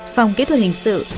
phòng kỹ thuật hình sự